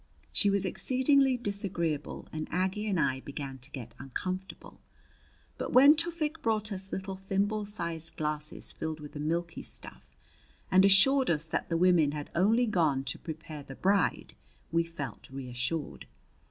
She was exceedingly disagreeable and Aggie and I began to get uncomfortable. But when Tufik brought us little thimble sized glasses filled with a milky stuff and assured us that the women had only gone to prepare the bride, we felt reassured.